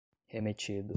remetido